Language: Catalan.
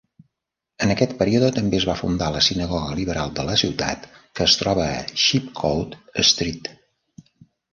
En aquest període també es va fundar la sinagoga liberal de la ciutat, que es troba a Sheepcote Street.